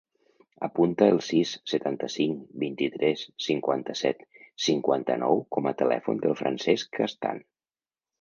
Apunta el sis, setanta-cinc, vint-i-tres, cinquanta-set, cinquanta-nou com a telèfon del Francesc Castan.